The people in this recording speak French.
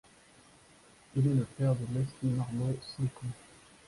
Il est le père de Leslie Marmon Silko.